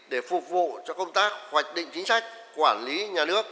để phục vụ cho công tác hoạch định chính sách quản lý nhà nước